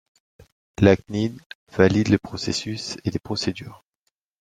La CNIL valide les processus et les procédures.